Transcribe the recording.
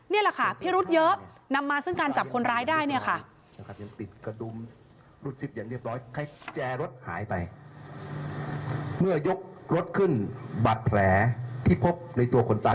นี่แหละค่ะพี่รุ๊ดเยอะนำมาซึ่งการจับคนร้ายได้